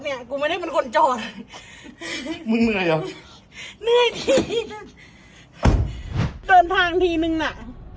รถเนี้ยกูไม่ได้เป็นคนจอดมึงเหนื่อยอ่ะเดินทางทีหนึ่งน่ะ